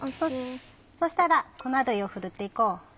そしたら粉類をふるっていこう。